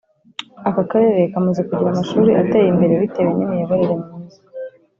Aka karere kamaze kugira amashuri ateye imbere bitewe n’imiyoborere myiza